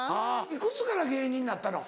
いくつから芸人になったの？